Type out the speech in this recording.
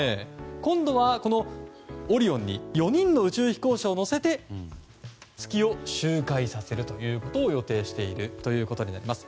今度は、この「オリオン」に４人の宇宙飛行士を乗せて月を周回させることを予定しているということになります。